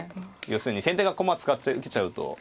要するに先手が駒使って受けちゃうと。